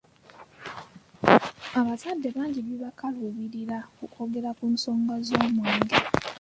Abazadde bangi kibakaluubirira okwogera ku nsonga z’omwenge.